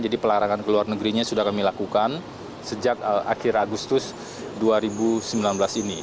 jadi pelarangan ke luar negerinya sudah kami lakukan sejak akhir agustus dua ribu sembilan belas ini